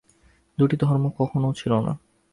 দুইটি ধর্ম কখনও ছিল না।